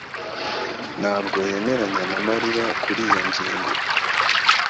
ntabwo yemeranya na Mariya kuri iyo ngingo.